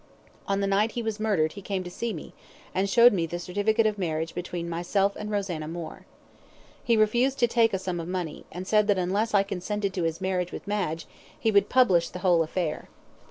On the night he was murdered he came to see me, and showed me the certificate of marriage between myself and Rosanna Moore. He refused to take a sum of money, and said that unless I consented to his marriage with Madge he would publish the whole affair.